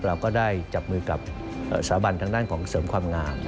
เราก็ได้จับมือกับสถาบันทางด้านของเสริมความงาม